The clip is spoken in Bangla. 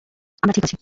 আমরা ঠিক আছি!